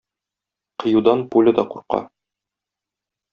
Кыюдан пуля да курка.